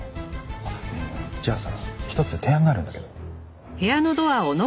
あっじゃあさ一つ提案があるんだけど。